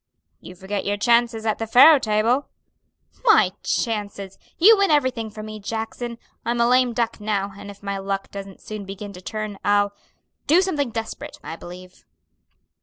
"You forget your chances at the faro table." "My chances! You win everything from me, Jackson. I'm a lame duck now, and if my luck doesn't soon begin to turn, I'll do something desperate, I believe."